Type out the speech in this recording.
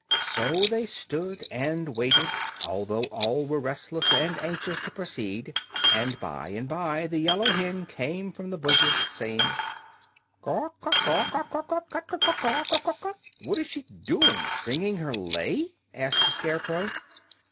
So they stood and waited, although all were restless and anxious to proceed. And by and by the yellow hen came from the bushes saying: "Kut kut, kut, ka daw kutt! Kut, kut, kut ka daw kut!" "What is she doing singing her lay?" asked the Scarecrow.